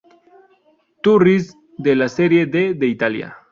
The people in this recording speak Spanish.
Turris de la Serie D de Italia.